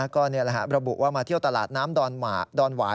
ก็นี่แหละระบุว่ามาเที่ยวตลาดน้ำดอนหวาย